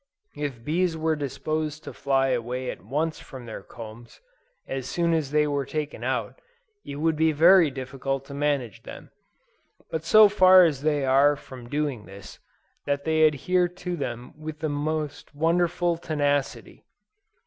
If bees were disposed to fly away at once from their combs, as soon as they were taken out, it would be very difficult to manage them, but so far are they from doing this, that they adhere to them with most wonderful tenacity.